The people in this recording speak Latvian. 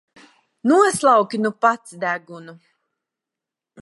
Noslauki nu pats degunu!